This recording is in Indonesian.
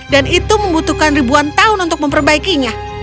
dan itu membutuhkan ribuan tahun untuk memperbaikinya